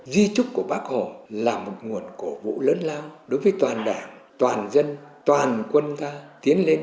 di trúc của bác hồ là một nguồn cổ vũ lớn lao đối với toàn đảng toàn dân toàn quân ta tiến lên